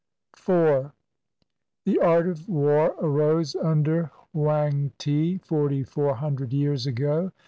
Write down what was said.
4. The art of war arose under Hwangte, forty four hundred years ago.